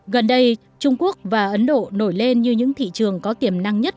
gần đây trung quốc và ấn độ nổi lên như những thị trường có tiềm năng nhất